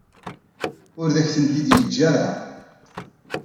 Ur ak-tent-id-yeǧǧa ara.